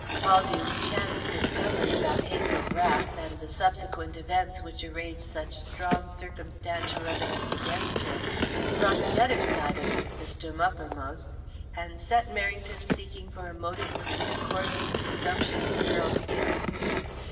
Caldew's chance discovery about Hazel Rath, and the subsequent events which arrayed such strong circumstantial evidence against her, brought the other side of the system uppermost and set Merrington seeking for a motive which would accord with the presumption of the girl's guilt.